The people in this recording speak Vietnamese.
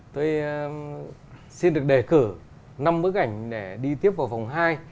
tôi xin được đề cử năm bức ảnh để đi tiếp vào vòng hai